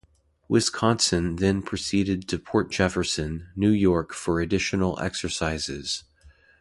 "Wisconsin" then proceeded to Port Jefferson, New York for additional exercises.